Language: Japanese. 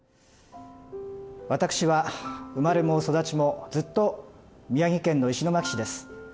私は生まれも育ちもずっと宮城県の石巻市です。